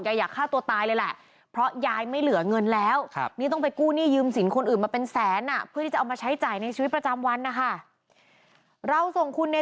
ยายอยากฆ่าตัวตายเลยแหละเพราะยายไม่เหลือเงินแล้วครับ